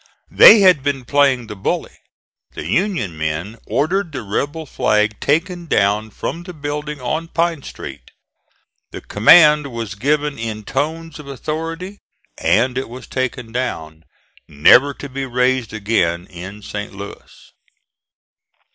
They had been playing the bully. The Union men ordered the rebel flag taken down from the building on Pine Street. The command was given in tones of authority and it was taken down, never to be raised again in St. Louis.